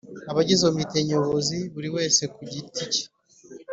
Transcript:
Abagize omite nyobozi buri wese ku giti cye